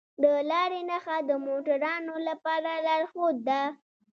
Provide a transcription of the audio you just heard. د لارې نښه د موټروانو لپاره لارښود ده.